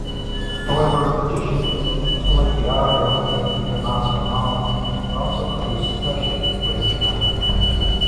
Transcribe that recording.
However, editions of "Telediario Internacional" are also produced specially for the channel.